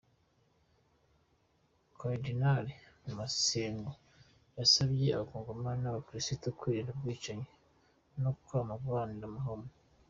Kardinali Mosengwo yasavye abakongomani b'abakristu kwirinda ubwicanyi no kwama baharanira amahoro.